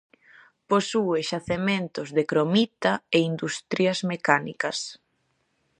Posúe xacementos de cromita e industrias mecánicas.